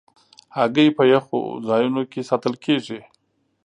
هګۍ په یخو ځایونو کې ساتل کېږي.